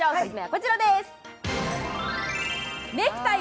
こちらです。